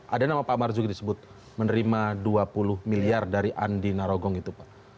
ada nama pak marzuki disebut menerima dua puluh miliar dari andi narogong itu pak